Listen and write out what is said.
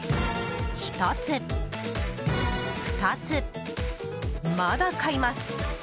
１つ、２つまだ買います。